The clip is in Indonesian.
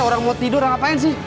orang mau tidur dan ngapain sih